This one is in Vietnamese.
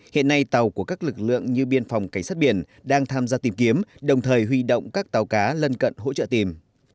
hiện nay tàu của các lực lượng như biên phòng cảnh sát biển đang tham gia tìm kiếm đồng thời huy động các tàu cá lân cận hỗ trợ tìm